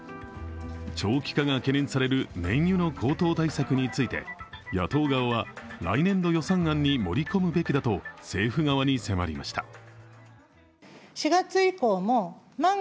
長期化が懸念される燃油の高騰対策について野党側は来年度予算案に盛り込むべきだと、政府側に申し入れました。